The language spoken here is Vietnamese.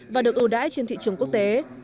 và được ưu đãi trên thị trường quốc tế